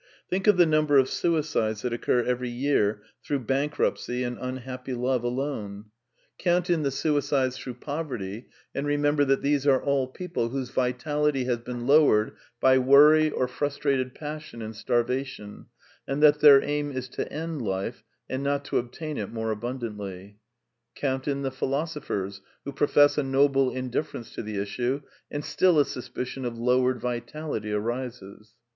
Think of the number of suicides that occur every year through bankruptcy and unhappy love alone. CONCLUSIONS 327 Count in the suicides through poverty ; and remember that these are all people whose vitality has been lowered by worry or frustrated passion and starvation, and that their aim is to end life, and not to obtain it more abundantly. Count in the philosophers who profess a noble indiffer ence to the issue, and still a suspicion of lowered vitality arises.